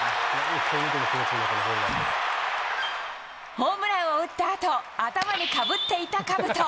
ホームランを打ったあと、頭にかぶっていたかぶと。